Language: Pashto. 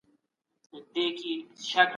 دا عادت بايد په ورځني ژوند کي شامل سي.